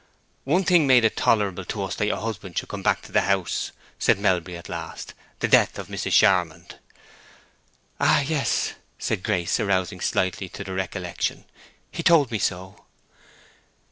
"One thing made it tolerable to us that your husband should come back to the house," said Melbury at last—"the death of Mrs. Charmond." "Ah, yes," said Grace, arousing slightly to the recollection, "he told me so."